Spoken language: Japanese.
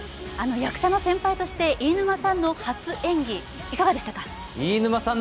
役者の先輩として飯沼さんの初演技、いかがでしたか？